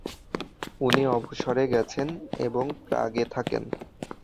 উনি অবসরে গেছেন এবং প্রাগে থাকেন।